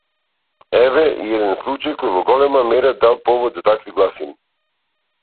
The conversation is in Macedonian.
Еве и еден случај кој во голема мера дал повод за такви гласини.